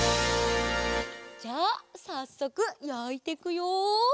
じゃあさっそくやいてくよ！